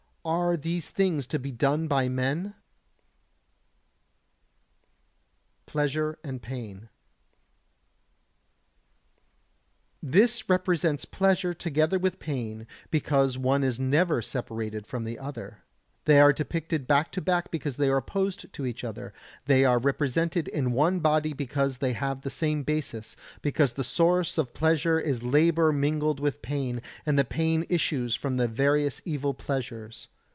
Are these things to be done by men? [Sidenote: Pleasure and Pain] 123. This represents pleasure together with pain because one is never separated from the other; they are depicted back to back because they are opposed to each other; they are represented in one body because they have the same basis, because the source of pleasure is labour mingled with pain, and the pain issues from the various evil pleasures.